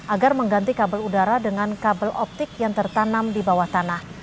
agar mengganti kabel udara dengan kabel optik yang tertanam di bawah tanah